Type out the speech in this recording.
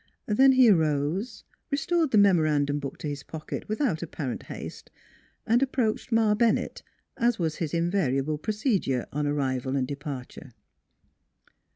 Then he arose, restored the memo randum book to his pocket without apparent haste and approached Ma Bennett, as was his invari able procedure on arrival and departure.